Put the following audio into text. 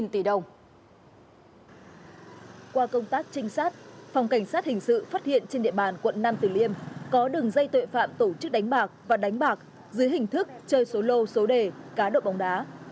qua công tác trinh sát phòng cảnh sát hình sự phát hiện trên địa bàn quận nam tử liêm có đường dây tội phạm tổ chức đánh bạc và đánh bạc dưới hình thức chơi số lô số đề cá độ bóng đá